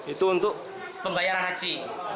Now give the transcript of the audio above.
itu untuk pembayaran haji